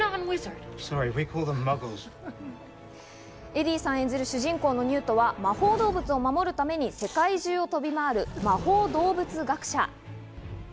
エディさん演じる主人公のニュートは魔法動物を守るために世界中を飛び回る魔法動物学者。